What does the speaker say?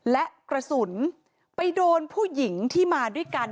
และกระสุนไปโดนผู้หญิงที่มาด้วยกัน